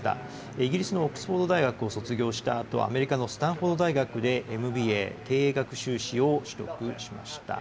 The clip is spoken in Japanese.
イギリスのオックスフォード大学を卒業したあと、アメリカのスタンフォード大学でＭＢＡ・経営学修士を取得しました。